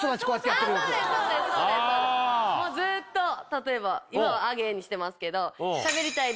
ずっと例えば今は「あげ」にしてますけど。